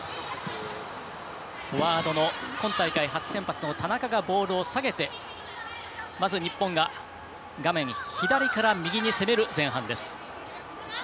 フォワードの今大会初先発の田中がボールを下げてまず日本が画面左から右に攻める前半です。